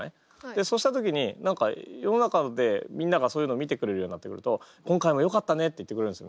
そうした時に何か世の中でみんながそういうのを見てくれるようになってくると「今回もよかったね」って言ってくれるんですよ